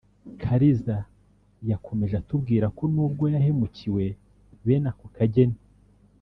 Kariza yakomeje atubwira ko n’ubwo yahemukiwe bene ako kageni